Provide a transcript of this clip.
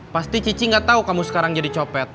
pasti cici gak tahu kamu sekarang jadi copet